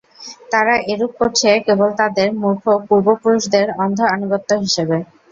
তারা এরূপ করছে কেবল তাদের মূর্খ পূর্ব-পুরুষদের অন্ধ আনুগত্য হিসেবে।